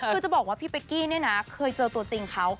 คือจะบอกว่าพี่เป๊กกี้เนี่ยนะเคยเจอตัวจริงเขา